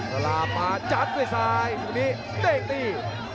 เวลามาจัดสุดท้ายสุนิมิดแดงตี